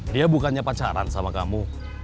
dia bukannya pacaran sama kamu